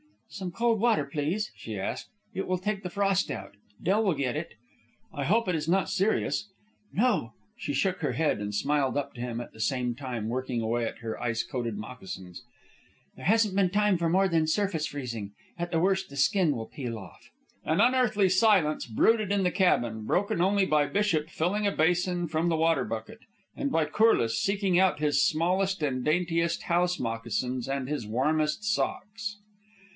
"Some cold water, please," she asked. "It will take the frost out. Del will get it." "I hope it is not serious?" "No." She shook her head and smiled up to him, at the same time working away at her ice coated moccasins. "There hasn't been time for more than surface freezing. At the worst the skin will peel off." An unearthly silence brooded in the cabin, broken only by Bishop filling a basin from the water bucket, and by Corliss seeking out his smallest and daintiest house moccasins and his warmest socks.